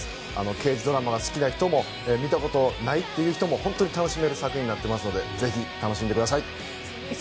刑事ドラマが好きな人も見たいことないって人も本当に楽しめる作品になってますのでぜひ、楽しんでください。